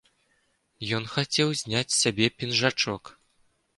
Ён хацеў зняць з сябе пінжачок.